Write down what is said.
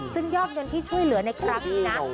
ซึ่งยอดเงินที่ช่วยเหลือกุลาคมเลย